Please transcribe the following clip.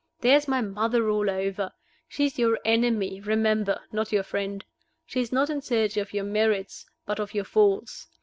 There is my mother all over! She is your enemy, remember not your friend. She is not in search of your merits, but of your faults.